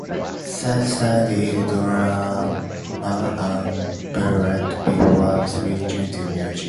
Sage studied drama and ballet before switching to music.